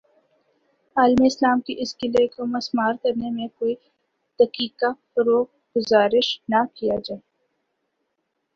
عالم اسلام کے اس قلعے کو مسمار کرنے میں کوئی دقیقہ فروگزاشت نہ کیا جائے